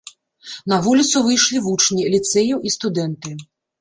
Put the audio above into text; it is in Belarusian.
На вуліцу выйшлі вучні ліцэяў і студэнты.